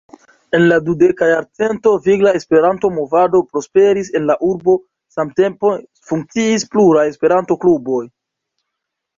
En la dudeka jarcento vigla Esperanto-movado prosperis en la urbo, samtempe funkciis pluraj Esperanto-kluboj.